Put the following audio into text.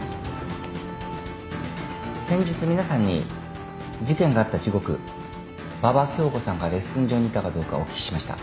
先日皆さんに事件があった時刻馬場恭子さんがレッスン場にいたかどうかお聞きしました。